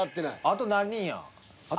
あと何人や？